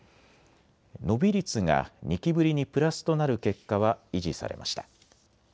伸び率が２期ぶりにプラスとなる結果は維持されました。